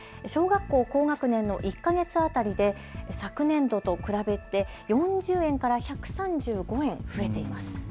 小学校高学年の１か月当たりで昨年度と比べて４０円から１３５円増えています。